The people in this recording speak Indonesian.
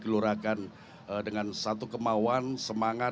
kelurahan dengan satu kemauan semangat